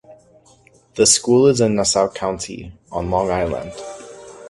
The school is in Nassau County on Long Island.